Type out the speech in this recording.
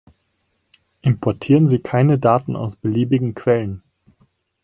Importieren Sie keine Daten aus beliebigen Quellen!